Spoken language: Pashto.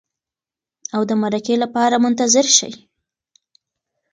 او د مرکې لپاره منتظر شئ.